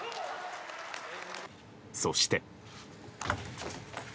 そして。